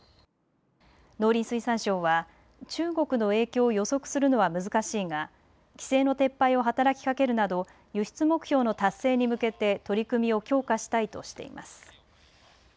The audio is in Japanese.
農林水産省は中国の影響を予測するのは難しいが規制の撤廃を働きかけるなど輸出目標の達成に向けて取り組みを強化したいとしています。